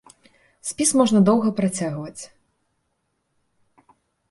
Спіс можна доўга працягваць.